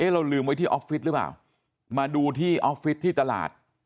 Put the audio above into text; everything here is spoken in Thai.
เราลืมไว้ที่ออฟฟิศหรือเปล่ามาดูที่ออฟฟิศที่ตลาด